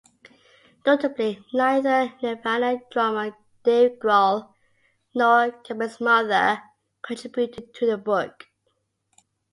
Notably, neither Nirvana drummer Dave Grohl nor Cobain's mother contributed to the book.